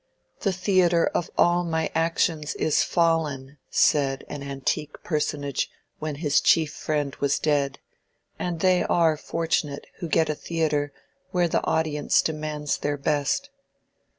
"The theatre of all my actions is fallen," said an antique personage when his chief friend was dead; and they are fortunate who get a theatre where the audience demands their best.